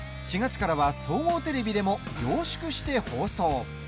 ４月からは総合テレビでも凝縮して放送。